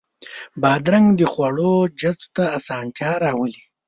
بادرنګ د خواړو جذب ته اسانتیا راولي.